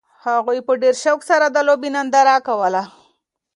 هغوی په ډېر شوق سره د لوبې ننداره کوله.